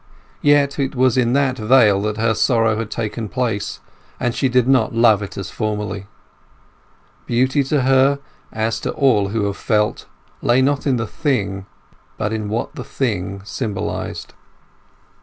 Yet it was in that vale that her sorrow had taken shape, and she did not love it as formerly. Beauty to her, as to all who have felt, lay not in the thing, but in what the thing symbolized.